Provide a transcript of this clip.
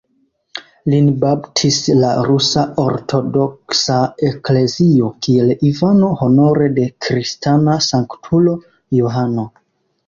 Lin baptis la Rusa Ortodoksa Eklezio kiel Ivano honore de kristana sanktulo "Johano".